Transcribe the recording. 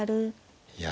いや。